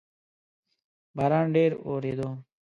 باران ډیر اوورېدو